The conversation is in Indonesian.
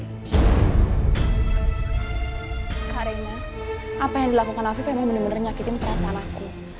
kak rena apa yang dilakukan afif emang bener bener nyakitin perasaan aku